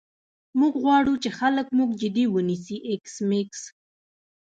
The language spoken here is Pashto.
موږ غواړو چې خلک موږ جدي ونیسي ایس میکس